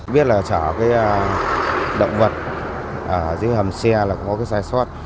biết là trở cái động vật ở dưới hầm xe là có cái sai suất